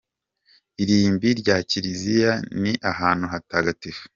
Irimbi rya Kiliziya ni ahantu hatagatifu.